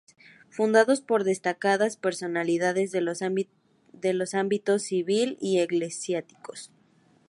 Fundados por destacadas personalidades de los ámbitos civil y eclesiástico, vr.